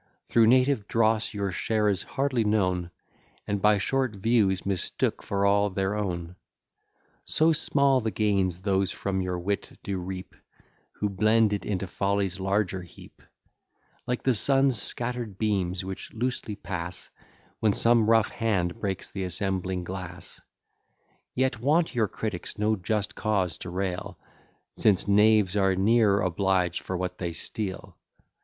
Through native dross your share is hardly known, And by short views mistook for all their own; So small the gains those from your wit do reap, Who blend it into folly's larger heap, Like the sun's scatter'd beams which loosely pass, When some rough hand breaks the assembling glass. Yet want your critics no just cause to rail, Since knaves are ne'er obliged for what they steal.